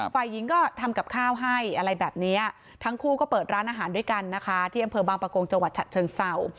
ฝ่ายหญิงก็ทำกับข้าวให้อะไรแบบนี้ทั้งคู่ก็เปิดร้านอาหารด้วยกันนะคะที่อำเภอบางประกงจังหวัดฉะเชิงเศร้า